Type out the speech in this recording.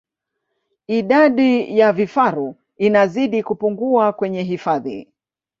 Idadi ya vifaru inazidi kupungua kwenye hifadhi